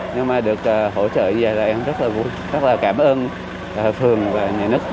nhưng mà được hỗ trợ như vậy là em rất là vui rất là cảm ơn phường và nhà nước